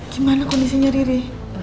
gimana kondisinya riri